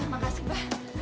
terima kasih ba